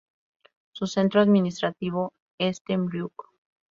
Su centro administrativo es Temriuk.